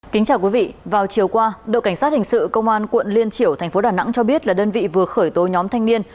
kính chào quý vị vào chiều qua đội cảnh sát hình sự công an quận liên triểu thành phố đà nẵng cho biết là đơn vị vừa khởi tố nhóm thanh niên